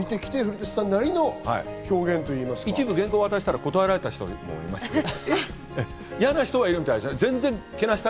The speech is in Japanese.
一部、原稿を渡したら断られた方もいました。